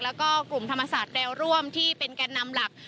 แล้วก็กลุ่มธรรมศาสตร์แนวร่วมที่เป็นแก่นำหลัก